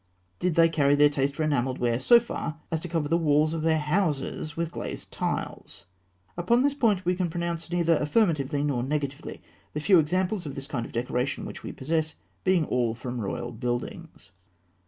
Did they carry their taste for enamelled ware so far as to cover the walls of their houses with glazed tiles? Upon this point we can pronounce neither affirmatively nor negatively; the few examples of this kind of decoration which we possess being all from royal buildings.